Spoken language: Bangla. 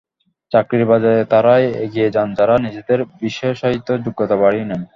চাকরির বাজারে তাঁরাই এগিয়ে যান, যাঁরা নিজেদের বিশেষায়িত যোগ্যতা বাড়িয়ে নেন।